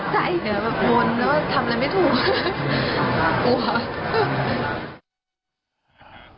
ตกใจเหนือแบบวนว่าทำอะไรไม่ถูกหัว